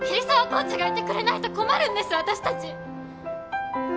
コーチがいてくれないと困るんです私たち！